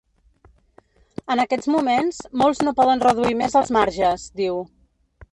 En aquests moments, molts no poden reduir més els marges –diu–.